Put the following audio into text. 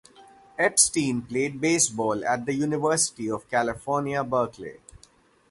Epstein played baseball at the University of California-Berkeley.